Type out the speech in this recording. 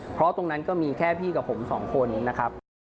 เพราะตรงนั้นก็มีแค่พี่กับผมสองคนนะครับ